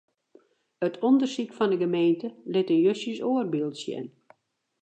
It ûndersyk fan 'e gemeente lit in justjes oar byld sjen.